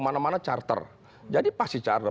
mana mana charter jadi pasti charter